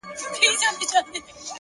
هوښیاري د بې ځایه خبرو مخه نیسي’